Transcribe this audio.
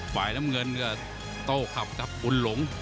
ฝ่ายน้ำเงินก็โต้ขับครับบุญหลง